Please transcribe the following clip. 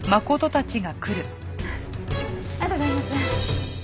ありがとうございます。